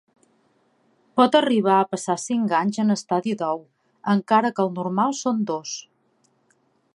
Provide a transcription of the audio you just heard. Pot arribar a passar cinc anys en estadi d'ou, encara que el normal són dos.